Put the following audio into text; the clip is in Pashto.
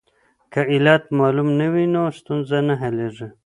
که علت معلوم نه وي نو ستونزه نه حلیږي.